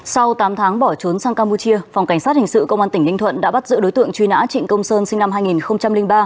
sau tám tháng bỏ trốn sang campuchia phòng cảnh sát hình sự công an tỉnh ninh thuận đã bắt giữ đối tượng truy nã trịnh công sơn sinh năm hai nghìn ba